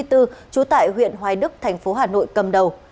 trú tại huyện hoài đức tp hà nội cầm đầu